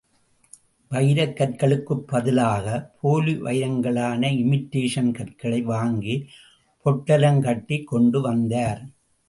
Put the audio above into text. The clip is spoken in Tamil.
வைரக் கற்களுக்குப் பதிலாக போலிவைரங்களான இமிடேஷன் கற்களை வாங்கி, பொட்டலங் கட்டிக் கொண்டு வந்தார்.